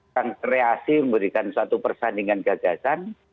yang kreasi memberikan suatu persandingan gagasan